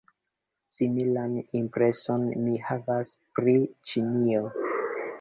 Similan impreson mi havas pri Ĉinio.